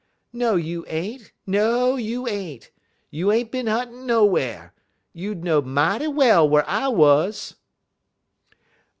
"No, you ain't no, you ain't. You ain't bin huntin' nowhar. You know'd mighty well whar I wuz."